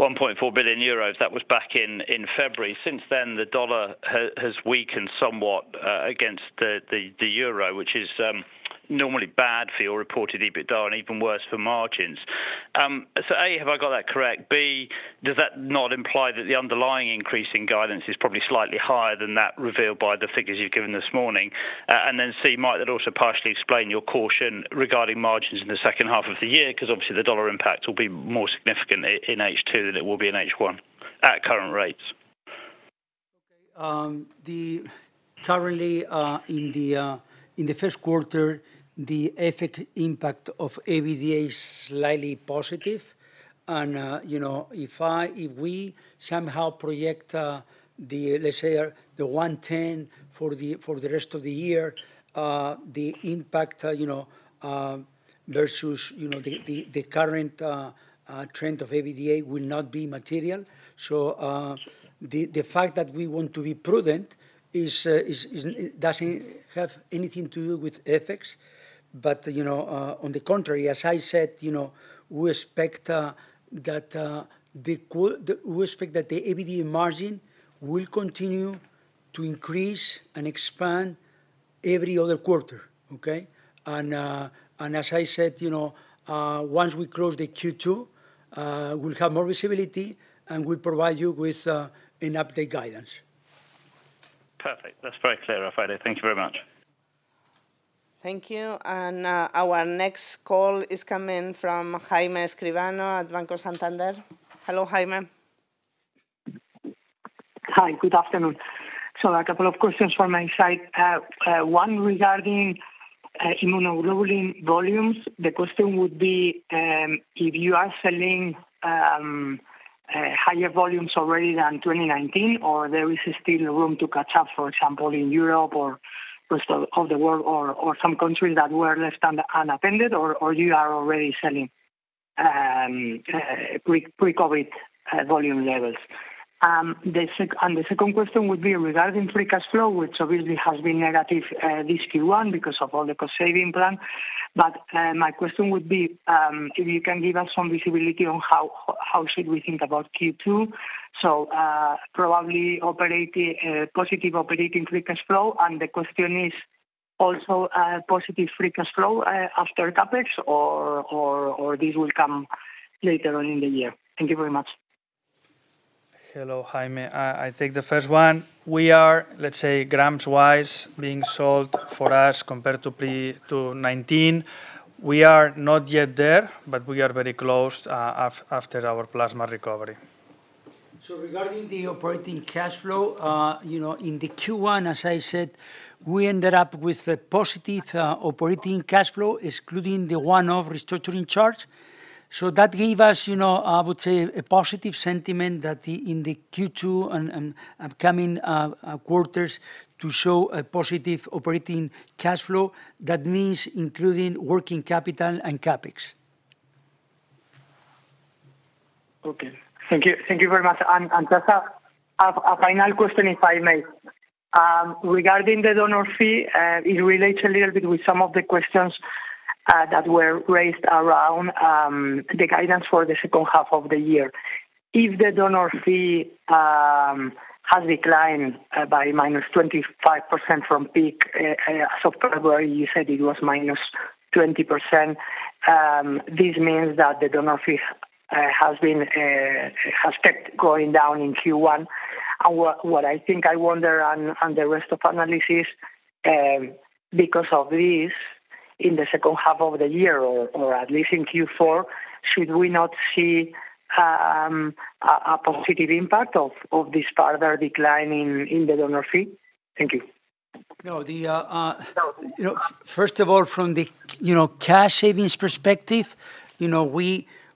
1.4 billion euros, that was back in February. Since then, the dollar has weakened somewhat against the euro, which is normally bad for your reported EBITDA and even worse for margins. A, have I got that correct? B, does that not imply that the underlying increase in guidance is probably slightly higher than that revealed by the figures you've given this morning? C, might that also partially explain your caution regarding margins in the second half of the year? Because obviously the dollar impact will be more significant in H2 than it will be in H1 at current rates. Okay. The currently in the first quarter, the effect impact of EBITDA is slightly positive. you know, if we somehow project the let's say the 1.10 for the rest of the year, the impact, you know, versus, you know, the current trend of EBITDA will not be material. you know, the fact that we want to be prudent doesn't have anything to do with ethics. you know, on the contrary, as I said, you know, we expect that the EBITDA margin will continue to increase and expand every other quarter. Okay? As I said, you know, once we close the Q2, we'll have more visibility, and we'll provide you with an update guidance. Perfect. That's very clear, Alfredo. Thank you very much. Thank you. Our next call is coming from Jaime Escribano at Banco Santander. Hello, Jaime. Hi, good afternoon. So a couple of questions from my side. Uh, one regarding, uh, immunoglobulin volumes. The question would be, um, if you are selling, um, uh, higher volumes already than twenty nineteen, or there is still room to catch up, for example, in Europe or rest of the world or, or some countries that were left un-unattended or, or you are already selling, um, uh, pre-COVID, uh, volume levels. Um, the sec-- and the second question would be regarding free cash flow, which obviously has been negative, uh, this Q1 because of all the cost saving plan. But, uh, my question would be, um, if you can give us some visibility on how should we think about Q2? Probably operating, positive operating free cash flow, and the question is also, positive free cash flow, after CapEx, or this will come later on in the year. Thank you very much. Hello, Jaime. I take the first one. We are, let's say, grams wise, being sold for us compared to pre-2019. We are not yet there. We are very close after our plasma recovery. Regarding the operating cash flow, you know, in the Q1, as I said, we ended up with a positive operating cash flow, excluding the one-off restructuring charge. That give us, you know, I would say, a positive sentiment that in the Q2 and upcoming quarters to show a positive operating cash flow. That means including working capital and CapEx. Okay. Thank you. Thank you very much. Just a final question, if I may. Regarding the donor fee, it relates a little bit with some of the questions that were raised around the guidance for the second half of the year. If the donor fee has declined by -25% from peak, as of February, you said it was -20%, this means that the donor fee has kept going down in Q1. What I think I wonder on the rest of analysis, because of this, in the second half of the year, or at least in Q4, should we not see a positive impact of this further decline in the donor fee? Thank you. No, you know, first of all, from the, you know, cash savings perspective, you know,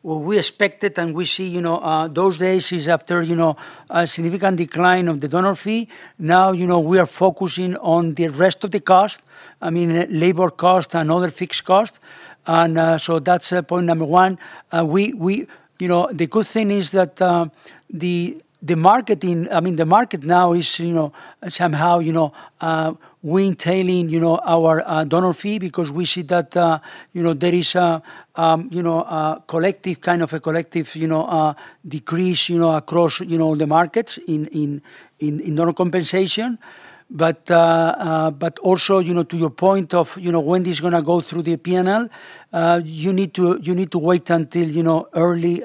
we expected and we see, you know, those days is after, you know, a significant decline of the donor fee. Now, you know, we are focusing on the rest of the cost, I mean, labor cost and other fixed cost. That's point number one. You know, the good thing is that the market now is, you know, somehow, you know, we're entailing, you know, our donor fee because we see that, you know, there is a, you know, a collective, you know, decrease, you know, across, you know, the markets in donor compensation. Also, you know, to your point of, you know, when this is going to go through the P&L, you need to wait until, you know, early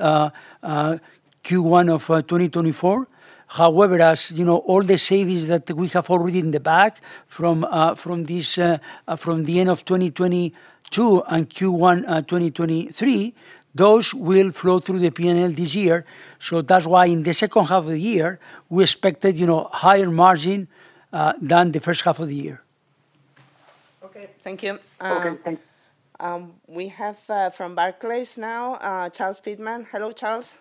Q1 of 2024. However, as you know, all the savings that we have already in the bag from from this from the end of 2022 and Q1 2023, those will flow through the P&L this year. That's why in the second half of the year, we expected, you know, higher margin than the first half of the year. Okay. Thank you. Okay, thanks. We have, from Barclays now, Charles Pitman. Hello, Charles.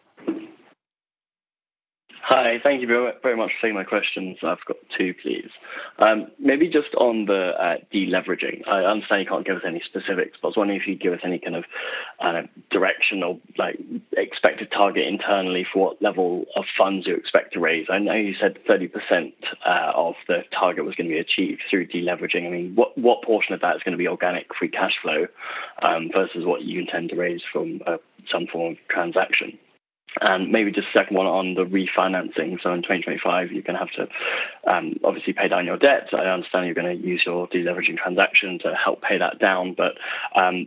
Hi. Thank you very much for taking my questions. I've got two, please. Maybe just on the deleveraging. I understand you can't give us any specifics, but I was wondering if you'd give us any kind of directional, like, expected target internally for what level of funds you expect to raise. I know you said 30%, of the target was going to be achieved through deleveraging. I mean, what portion of that is going to be organic free cash flow versus what you intend to raise from some form of transaction? Maybe just second one on the refinancing. In 2025, you're going to have to obviously pay down your debt. I understand you're going to use your deleveraging transaction to help pay that down.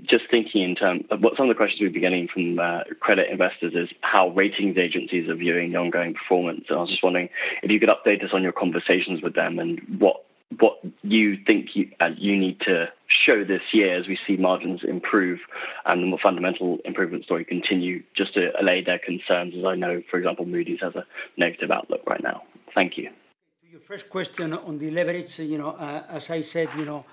just thinking what some of the questions we've been getting from credit investors is how ratings agencies are viewing the ongoing performance. I was just wondering if you could update us on your conversations with them and what you think you need to show this year as we see margins improve and the more fundamental improvement story continue just to allay their concerns, as I know, for example, Moody's has a negative outlook right now. Thank you. To your first question on the leverage, you know, as I said, you know,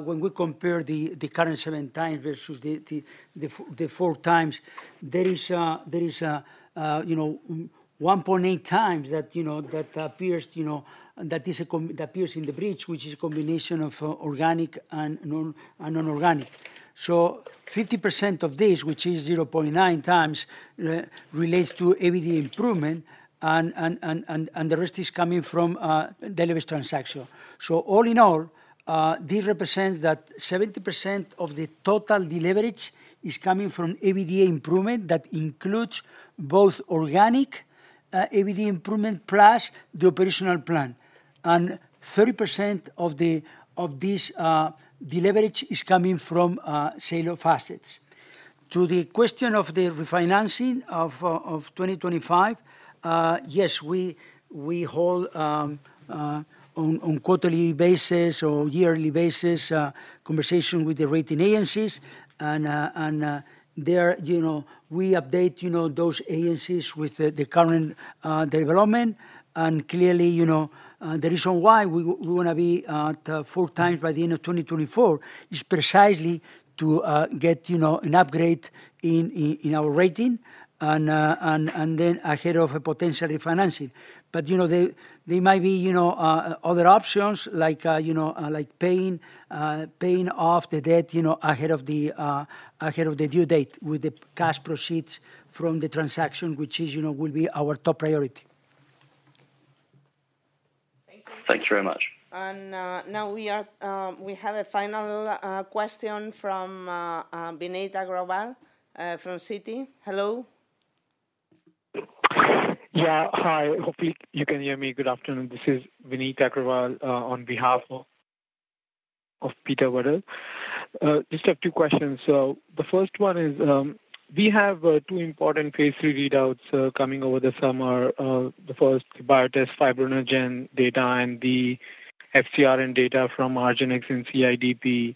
when we compare the current 7 times versus the 4 times, there is a, you know, 1.8 times that appears in the bridge, which is a combination of organic and non-organic. 50% of this, which is 0.9 times, relates to EBITDA improvement and the rest is coming from leverage transaction. All in all, this represents that 70% of the total deleverage is coming from EBITDA improvement that includes both organic EBITDA improvement plus the operational plan. 30% of this deleverage is coming from sale of assets. To the question of the refinancing of 2025, yes, we hold on quarterly basis or yearly basis conversation with the rating agencies and they're, you know. We update, you know, those agencies with the current development. Clearly, you know, the reason why we wanna be at 4 times by the end of 2024 is precisely to get, you know, an upgrade in our rating and then ahead of a potential refinancing. You know, there might be, you know, other options like, you know, paying off the debt, you know, ahead of the due date with the cash proceeds from the transaction, which is, you know, will be our top priority. Thank you. Thank you very much. Now we have a final question from Vineet Agrawal from Citi. Hello. Yeah. Hi. Hope you can hear me. Good afternoon. This is Vineet Agrawal, on behalf of Peter Verdult. Just have two questions. The first one is, we have two important phase three readouts coming over the summer. The first, Biotest fibrinogen data and the FCRN data from argenx and CIDP.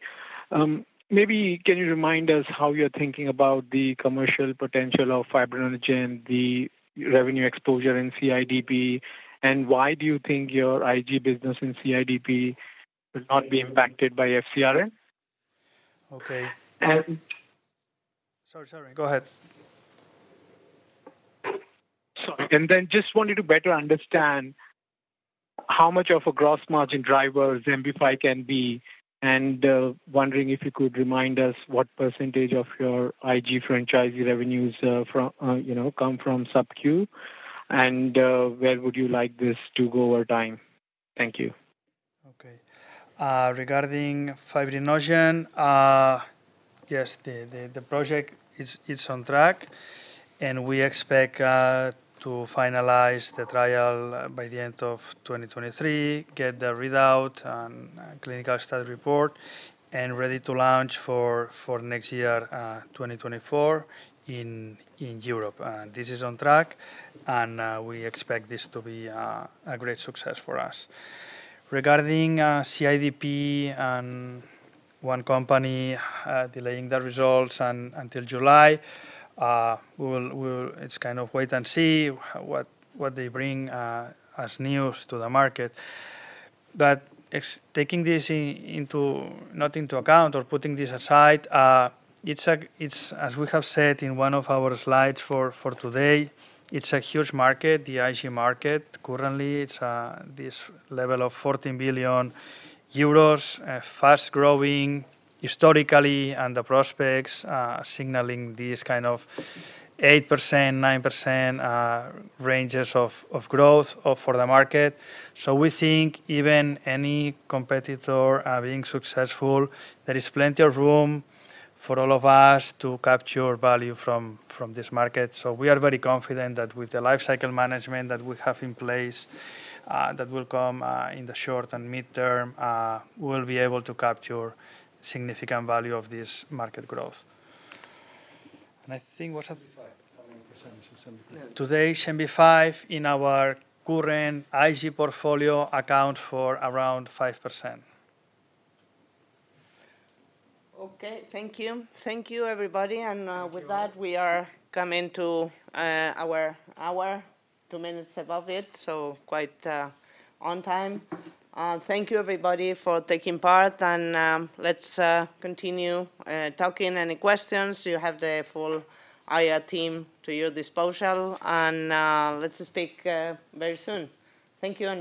Maybe can you remind us how you're thinking about the commercial potential of fibrinogen, the revenue exposure in CIDP, and why do you think your IG business in CIDP will not be impacted by FCRN? Okay. And- Sorry, sorry. Go ahead. Sorry. Then just wanted to better understand how much of a gross margin driver Xembify can be, wondering if you could remind us what % of your IG franchise revenues, from, you know, come from sub-Q, where would you like this to go over time? Thank you. Okay. Regarding fibrinogen, yes, the project is on track. We expect to finalize the trial by the end of 2023, get the readout and clinical study report, ready to launch for next year, 2024 in Europe. This is on track. We expect this to be a great success for us. Regarding CIDP and one company delaying the results until July, we will it's kind of wait and see what they bring as news to the market. Taking this not into account or putting this aside, it's as we have said in one of our slides for today, it's a huge market, the IG market. Currently, it's this level of 14 billion euros, fast growing historically, and the prospects, signaling this kind of 8%-9% ranges of growth for the market. We think even any competitor, being successful, there is plenty of room for all of us to capture value from this market. I think what has... 75. How many % is Xembify? Today, Xembify in our current IG portfolio account for around 5%. Okay. Thank you. Thank you, everybody. With that, we are coming to our hour, two minutes above it, so quite on time. Thank you, everybody, for taking part. Let's continue talking. Any questions, you have the full IR team to your disposal. Let's speak very soon. Thank you and bye.